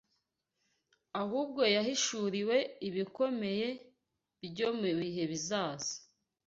ahubwo yahishuriwe ibikomeye byo mu bihe bizaza